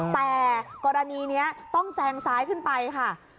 แต่กรณีนี้ต้องแซงซ้ายขึ้นไปค่ะ